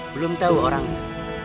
belum tau orangnya